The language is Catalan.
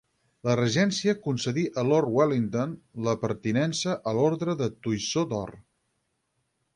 La Regència concedí a lord Wellington la pertinença a l'Orde del Toisó d'Or.